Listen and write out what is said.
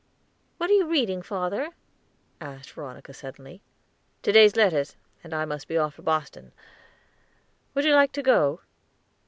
"What are you reading, father?" asked Veronica suddenly. "To day's letters, and I must be off for Boston; would you like to go?"